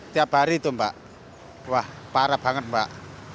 tiap hari itu mbak wah parah banget mbak